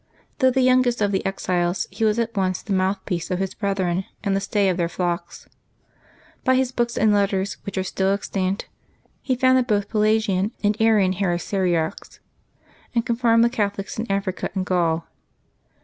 Though the youngest of the exiles, he was at once the mouthpiece of his brethren and the stay of their flocks. By his books and letters, which are still extant, he confounded both Pelagian and Arian heresiarchs, and confirmed the Catholics in Africa and Gaul.